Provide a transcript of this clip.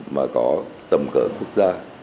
mà có tầm cỡ quốc gia